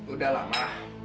udah lah ma